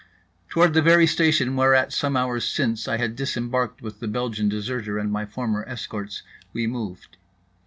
Toward the very station whereat some hours since I had disembarked with the Belgian deserter and my former escorts, we moved.